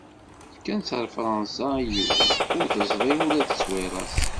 Fkan-tt ɣer Fransa i yiwen, ur teẓri ula d tteṣwira-s.